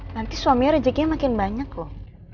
nanti suaminya rezekinya makin banyak loh